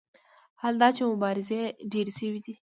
حال دا چې مبارزې ډېرې شوې دي.